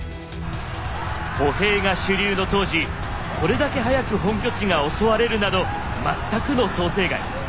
歩兵が主流の当時これだけはやく本拠地が襲われるなど全くの想定外。